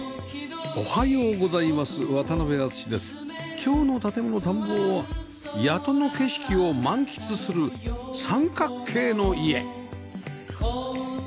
今日の『建もの探訪』は谷戸の景色を満喫する三角形の家